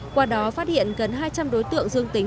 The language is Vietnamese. qua đó phát hiện gần hai trăm linh đối tượng dương tính